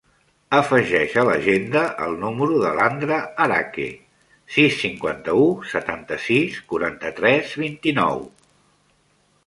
Afegeix a l'agenda el número de l'Andra Araque: sis, cinquanta-u, setanta-sis, quaranta-tres, vint-i-nou.